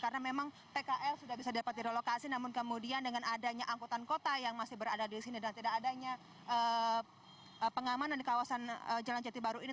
karena memang pkl sudah bisa dapat dilokasi namun kemudian dengan adanya angkutan kota yang masih berada disini dan tidak adanya pengamanan di kawasan jalan jati baru ini